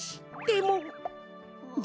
でも？